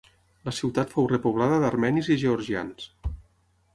La ciutat fou repoblada d'armenis i georgians.